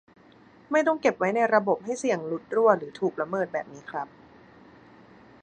ไม่ต้องเก็บไว้ในระบบให้เสี่ยงหลุดรั่วหรือถูกละเมิดแบบนี้ครับ